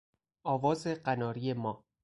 آواز قناری ما